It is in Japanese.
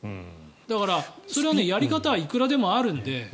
だから、それはやり方はいくらでもあるので。